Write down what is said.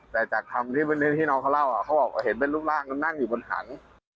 แต่จากคำที่น้องเขาเล่าเขาบอกเห็นเป็นรูปร่างนั่งอยู่บนถัง